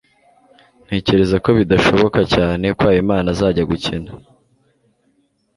ntekereza ko bidashoboka cyane ko habimana azajya gukina